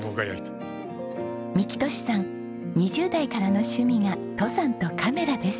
幹寿さん２０代からの趣味が登山とカメラです。